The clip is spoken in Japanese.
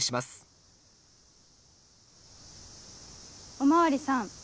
お巡りさん